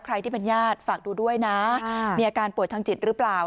ที่เป็นญาติฝากดูด้วยนะมีอาการป่วยทางจิตหรือเปล่า